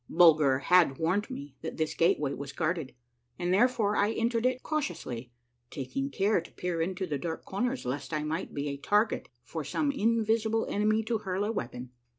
Bulger had warned me that this gateway was guarded, and therefore I entered it cautiously, taking care to peer into the dark corners lest I might be a tar get for some invisible enemy to hurl a weapon at.